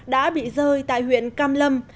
đã bị rơi tại huyện cam lâm